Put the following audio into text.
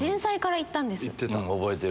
行ってたん覚えてる。